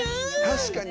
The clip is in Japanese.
確かに。